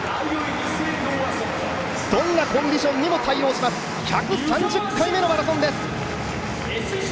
どんなコンディションにも対応します、１３０回目のマラソンです。